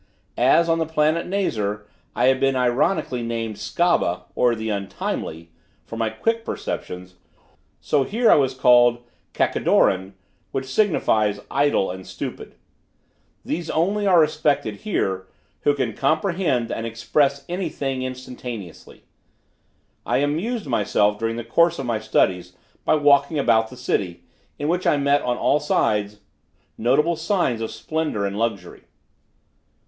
As, on the planet Nazar, I had been ironically named Skabba, or the untimely, for my quick perceptions, so here I was called Kakidoran, which signifies, idle and stupid. Those only are respected here, who can comprehend and express any thing instantaneously. I amused myself during the course of my studies by walking about the city, in which I met on all sides notable signs of splendor and luxury.